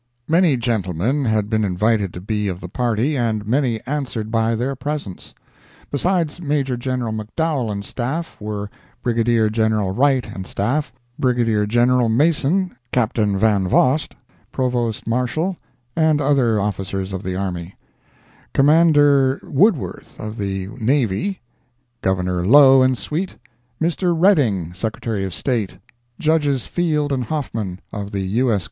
Many gentlemen had been invited to be of the party, and many answered by their presence. Besides Major General McDowell and Staff, were Brigadier General Wright and Staff, Brigadier General Mason, Captain Van Vost, Provost Marshal, and other officers of the Army; Commander Woodworth of the Navy; Governor Low and suite; Mr. Redding, Secretary of State; Judges Field and Hoffman, of the U.S.